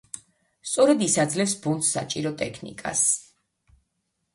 სწორედ ის აძლევს ბონდს საჭირო ტექნიკას.